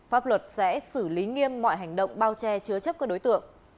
pháp luật sẽ xử lý nghiêm mọi hành động bao che chứa chấp các đối tượng